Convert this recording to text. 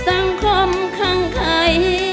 สังคมขังไข